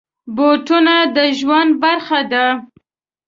بوټونه د ژوند برخه ده.